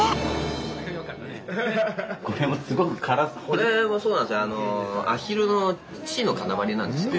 これもそうなんですよ。